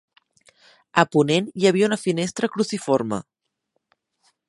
A ponent hi havia una finestra cruciforme.